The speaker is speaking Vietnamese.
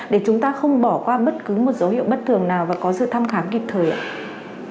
để chúng ta không bỏ qua bất cứ một dấu hiệu bất thường nào và có sự thăm khám kịp thời ạ